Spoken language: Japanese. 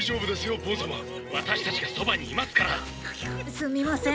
すみません。